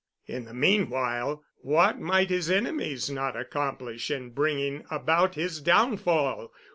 In the meanwhile what might his enemies not accomplish in bringing about his downfall.